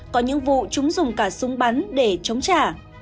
có những vụ chúng dùng cả súng bắn để chống trả